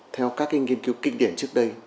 theo các nghiên cứu kinh điển trước đây